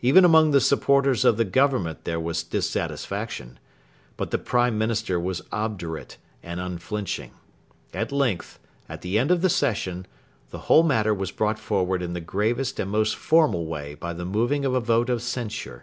Even among the supporters of the Government there was dissatisfaction. But the Prime Minister was obdurate and unflinching. At length, at the end of the Session, the whole matter was brought forward in the gravest and most formal way by the moving of a vote of censure.